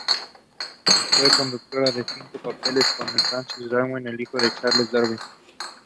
He then served various posts at various ministries and agencies.